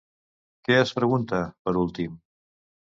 Què es pregunta, per últim?